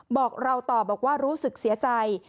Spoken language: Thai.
บอกเราต่อบอกว่ารู้สึกเสียใจ